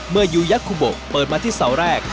เมื่อยูยักษ์คุบกเปิดมาที่เสาแรก